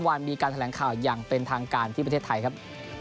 วันมีการแถลงข่าวอย่างเป็นทางการที่ประเทศไทยครับ